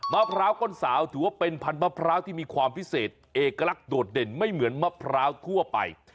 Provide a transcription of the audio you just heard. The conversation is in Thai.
มะพร้าวก้นสาวถือว่าเป็นพันธมะพร้าวที่มีความพิเศษเอกลักษณ์โดดเด่นไม่เหมือนมะพร้าวทั่วไป